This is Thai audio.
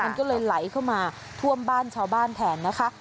มันก็เลยไหลเข้ามาท่วมบ้านชาวบ้านแทนนะคะ